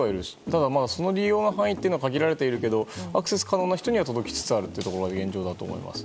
ただ、その利用の範囲は限られているけどアクセス可能な人には届きつつあるのが現状だと思います。